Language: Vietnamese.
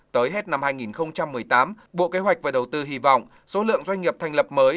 tới hết năm hai nghìn một mươi tám bộ kế hoạch và đầu tư hy vọng số lượng doanh nghiệp thành lập mới